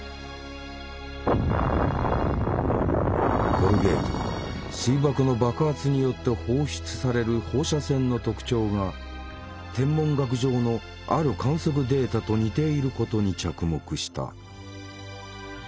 コルゲートは水爆の爆発によって放出される放射線の特徴が天文学上のある観測データと似ていることに着目した。